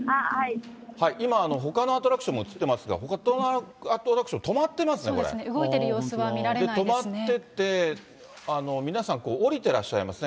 今、ほかのアトラクションも映ってますが、ほかのアトラクシ動いている様子は見られない止まってて、皆さん、降りてらっしゃいますね。